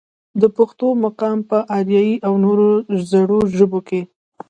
د پښتو مقام پۀ اريائي او نورو زړو ژبو کښې